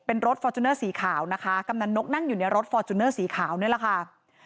เป็นรถฟอร์จูเนอร์สีขาวนะคะกำนันนกนั่งอยู่ในรถฟอร์จูเนอร์สีขาวนี่แหละค่ะ